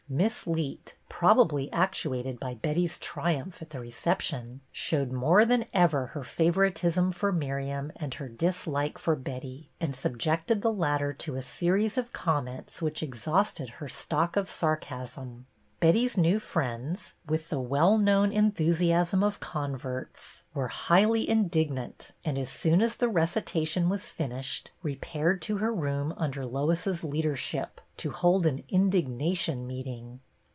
Miss Leet, probably actu ated by Betty's triumph at the reception, showed more than ever her favoritism for Miriam and her dislike for Betty, and sub jected the latter to a series of comments which exhausted her stock of sarcasm. Betty's new friends, with the well known enthusiasm of converts, were highly indig nant, and as soon as the recitation was finished, repaired to her room under Lois's leadership, to hold an indignation meeting.